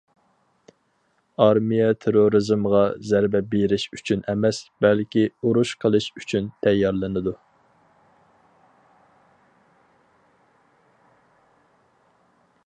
ئارمىيە تېررورىزمغا زەربە بېرىش ئۈچۈن ئەمەس، بەلكى ئۇرۇش قىلىش ئۈچۈن تەييارلىنىدۇ.